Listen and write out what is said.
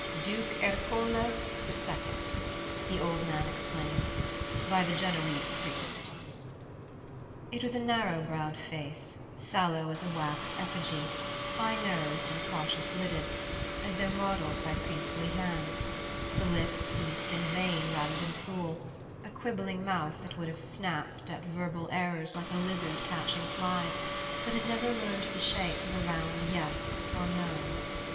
"Duke Ercole II.," the old man explained, "by the Genoese Priest." It was a narrow browed face, sallow as a wax effigy, high nosed and cautious lidded, as though modelled by priestly hands; the lips weak and vain rather than cruel; a quibbling mouth that would have snapped at verbal errors like a lizard catching flies, but had never learned the shape of a round yes or no.